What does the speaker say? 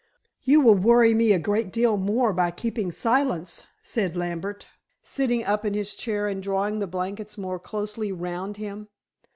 "You will worry me a great deal more by keeping silence," said Lambert, sitting up in his chair and drawing the blankets more closely round him.